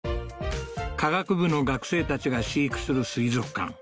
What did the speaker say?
科学部の学生達が飼育する水族館